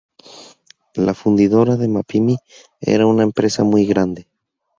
La fundidora de Mapimí era una empresa muy grande.